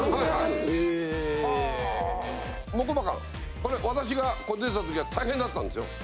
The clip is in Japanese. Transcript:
これ私が出てた時は大変だったんですよ。